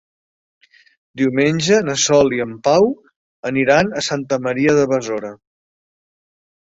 Diumenge na Sol i en Pau aniran a Santa Maria de Besora.